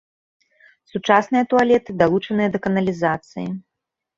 Сучасныя туалеты далучаныя да каналізацыі.